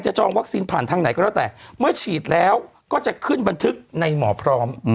จองวัคซีนผ่านทางไหนก็แล้วแต่เมื่อฉีดแล้วก็จะขึ้นบันทึกในหมอพร้อม